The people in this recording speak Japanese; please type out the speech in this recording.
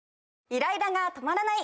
イライラが止まらない！